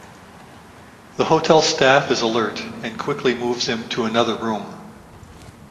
The hotel staff is alert and quickly moves him to another room.